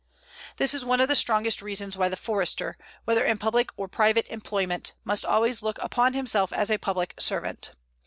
This is one of the strongest reasons why the Forester, whether in public or private employment, must always look upon himself as a public servant.